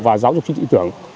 và giáo dục chính sĩ tưởng